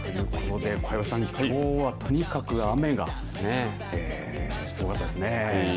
小藪さん、きょうはとにかく雨がすごかったですね。